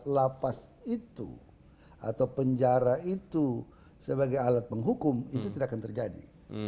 kalau memang konsep kita membuat lapas itu atau penjara itu sebagai alat penghukum itu tidak akan terjadi